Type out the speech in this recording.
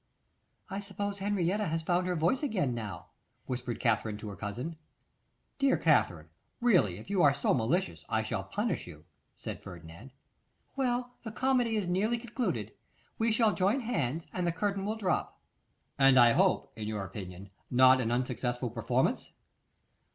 'I suppose Henrietta has found her voice again, now,' whispered Katherine to her cousin. 'Dear Katherine, really if you are so malicious, I shall punish you,' said Ferdinand. 'Well, the comedy is nearly concluded. We shall join hands, and the curtain will drop.' 'And I hope, in your opinion, not an unsuccessful performance.